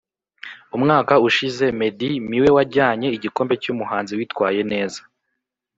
umwaka ushize Meddy miwe wajyanjye igikombe cyumuhanzi witwaye neza